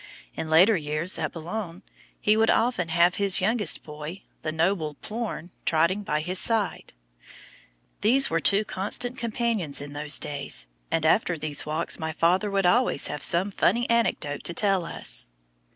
In later years, at Boulogne, he would often have his youngest boy, "The Noble Plorn," trotting by his side. These two were constant companions in those days, and after these walks my father would always have some funny anecdote to tell us.